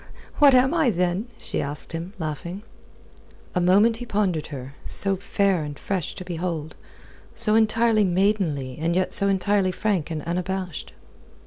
"What am I, then?" she asked him, laughing. A moment he pondered her, so fair and fresh to behold, so entirely maidenly and yet so entirely frank and unabashed.